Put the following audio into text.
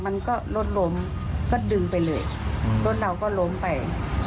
มันก็รถล้มก็ดึงไปเลยรถเราก็ล้มไป